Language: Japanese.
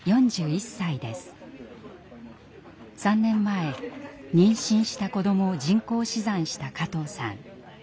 ３年前妊娠した子どもを人工死産した加藤さん。